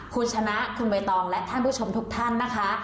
คุณชนะคุณใบตองและท่านผู้ชมทุกท่านนะคะ